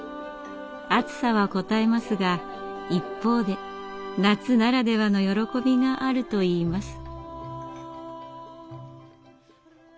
暑さはこたえますが一方で夏ならではの喜びがあるといいます。